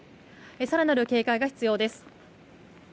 更なる警戒が必要です。